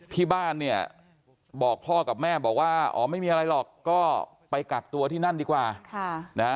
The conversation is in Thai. ที่บ้านบอกพ่อกับแม่ไม่มีอะไรหรอกก็ไปกัดตัวที่นั่นดีกว่า